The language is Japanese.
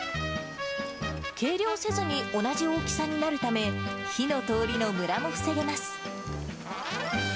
計量せずに同じ大きさになるため、火のとおりのむらも防げます。